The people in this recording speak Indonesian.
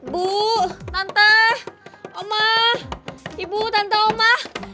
bu tante oma ibu tante oma